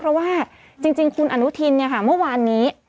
เพราะว่าจริงคุณอนุทินเมื่อวานนี้